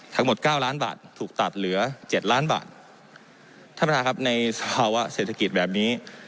ทั้งหมดเก้าล้านบาทถูกตัดเหลือเจ็ดล้านบาทท่านประธานครับในสภาวะเศรษฐกิจแบบนี้